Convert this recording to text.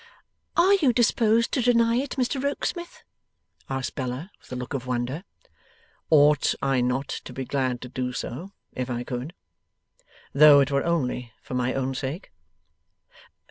'Are you disposed to deny it, Mr Rokesmith?' asked Bella, with a look of wonder. 'Ought I not to be glad to do so, if I could: though it were only for my own sake?